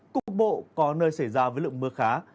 cục bộ có nơi xảy ra với lượng mưa khá